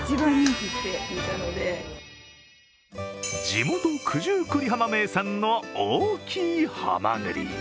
地元・九十九里浜名産の大きいハマグリ。